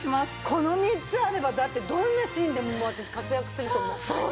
この３つあればだってどんなシーンでも私活躍すると思う。